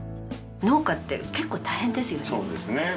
農家って結構大変ですよね。